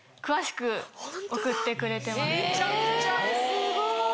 すごい！